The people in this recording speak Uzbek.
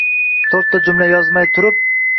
To’rtta jumla yozmay turib